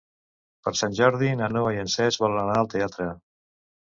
Per Sant Jordi na Noa i en Cesc volen anar al teatre.